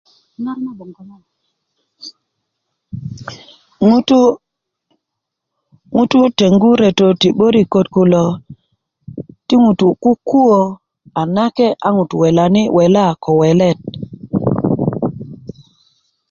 ŋutu' tengu reto ti 'böriköt kulo ti ŋutu' kukuwö nake a ŋutu' welani wela ko welet